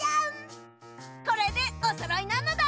これでおそろいなのだ！